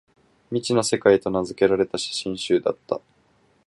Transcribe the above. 「未知の世界」と名づけられた写真集だった